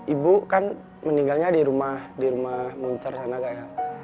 ibu kan meninggalnya di rumah muncar sana kak